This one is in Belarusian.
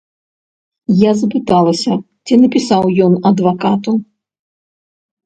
Я запыталася, ці напісаў ён адвакату.